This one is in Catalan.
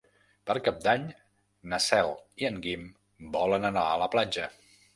Per Cap d'Any na Cel i en Guim volen anar a la platja.